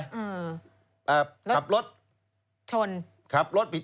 เอ่อขับรถ